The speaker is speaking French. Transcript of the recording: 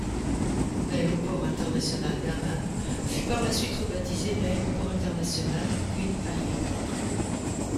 L'aéroport international d'Amman fut par la suite rebaptisé l'aéroport international Queen Alia.